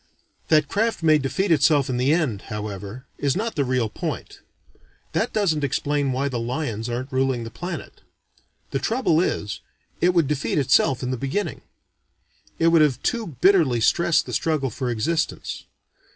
That craft may defeat itself in the end, however, is not the real point. That doesn't explain why the lions aren't ruling the planet. The trouble is, it would defeat itself in the beginning. It would have too bitterly stressed the struggle for existence.